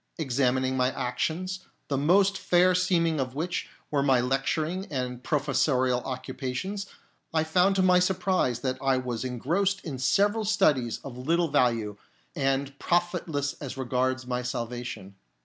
Examining my actions, the most fair seeming of which were my lecturing and professorial occupa tions, I found to my surprise that I was engrossed in several studies of little value, and profitless as regards my salvation.